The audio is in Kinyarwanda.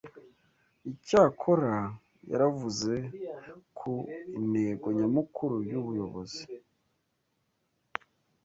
Icyakora yavuze ku intego nyamukuru y’ubuyobozi